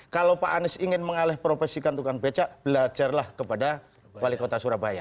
kalau pak anies ingin mengalih profesi kan tukang beca belajarlah kepada wali kota surabaya